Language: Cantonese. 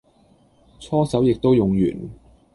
搓手液都用完